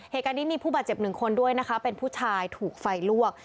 เหตุการณ์นี้มีผู้บาดเจ็บหนึ่งคนด้วยนะคะเป็นผู้ชายถูกไฟลวก